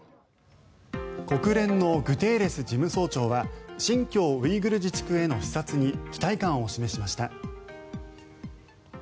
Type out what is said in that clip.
国連のグテーレス事務総長は新疆ウイグル自治区への視察に期待感を示しました。